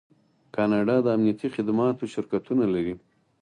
کاناډا د امنیتي خدماتو شرکتونه لري.